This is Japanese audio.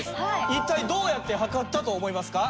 一体どうやって量ったと思いますか？